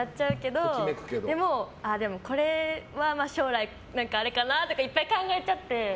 でも、これは将来あれかなとかいっぱい考えちゃって。